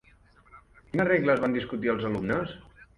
Quines regles van discutir els alumnes?